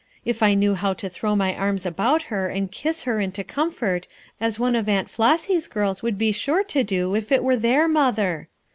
if I knew how to throw my arms about her and kiss her into comfort as one of Aunt Flossy's girls would be sure to do if it were their mother!